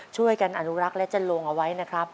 ช่วยกันอนุรักษ์และจะลงเอาไว้นะครับ